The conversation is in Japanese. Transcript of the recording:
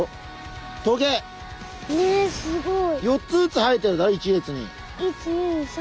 ４つずつ生えてるだろ一列に。